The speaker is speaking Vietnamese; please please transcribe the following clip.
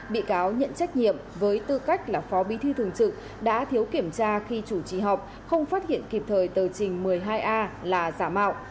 bị cáo nhận trách nhiệm với tư cách là phó bí thư thường trực đã thiếu kiểm tra khi chủ trì họp không phát hiện kịp thời tờ trình một mươi hai a là giả mạo